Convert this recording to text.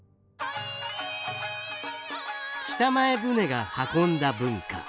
北前船が運んだ文化。